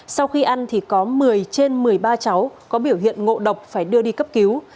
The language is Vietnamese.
sau khi ăn thì có một mươi trên một mươi ba cháu có biểu hiện ngộ độc phải đưa đi cấp cứu